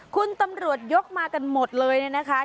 คุณตำรวจยกมากันหมดเลยนะครับ